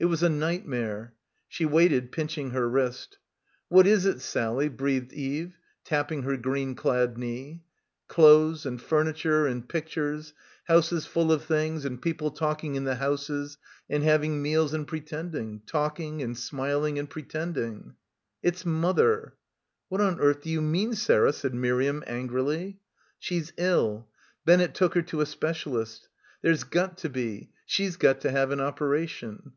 It was a night mare. She waited, pinching her wrist. 'What is it, Sally?" breathed Eve, tapping her green clad knee. Clothes and furniture and pictures ... houses full of things and people talking in the houses and having meals and pre tending, talking and smiling and pretending. "It's mother." "What on earth do you mean, Sarah?" said Miriam angrily. "She's ill. Bennett took her to a specialist. There's got to be — she's got to have an opera tion."